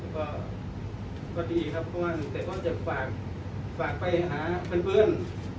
ก็ดีครับแต่ก็จะฝากไปหาเพื่อน